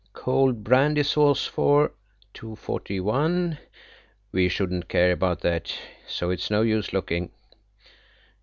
"'Cold brandy sauce for, 241.' "We shouldn't care about that, so it's no use looking.